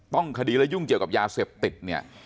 ต้องคดีและยุ่งเกี่ยวกับยาเสพติดเนี่ย